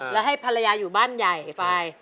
แล้วให้ภรรยาอยู่บ้านใหญ่ไฟ